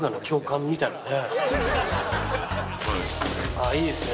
ああいいですね